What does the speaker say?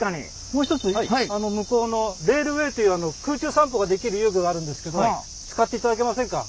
もう一つ向こうのレールウェイという空中散歩ができる遊具があるんですけども使っていただけませんか？